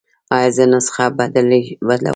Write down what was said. ایا زه نسخه بدلولی شم؟